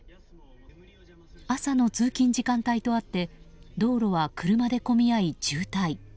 朝の通勤時間帯とあって道路は車で混み合い渋滞。